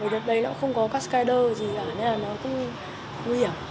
đợt đấy cũng không có cascader gì cả nên là nó cũng nguy hiểm